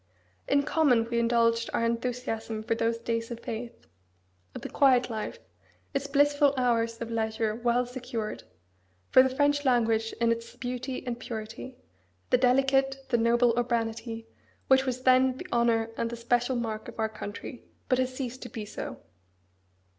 In common we indulged our enthusiasm for those days of faith; of the quiet life; its blissful hours of leisure well secured; for the French language in its beauty and purity; the delicate, the noble urbanity, which was then the honour and the special mark of our country, but has ceased to be so."